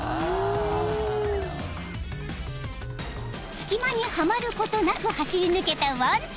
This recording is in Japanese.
［隙間にはまることなく走り抜けたワンちゃん］